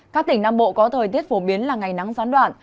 các tỉnh nam bộ có thời tiết phổ biến là ngày nắng gián đoạn